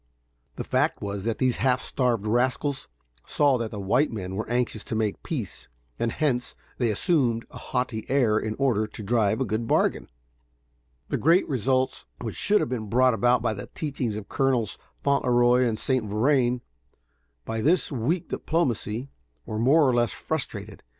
The fact was that these half starved rascals saw that the white men were anxious to make peace, and hence they assumed a haughty air in order to drive a good bargain. The great results which should have been brought about by the teachings of Colonels Fauntleroy and St. Vrain, by this weak diplomacy, were more or less frustrated.